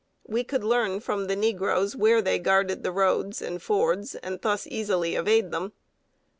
We could learn from the negroes where they guarded the roads and fords, and thus easily evade them.